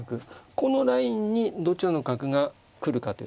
このラインにどちらの角が来るかっていうのはね。